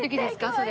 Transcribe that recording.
それ。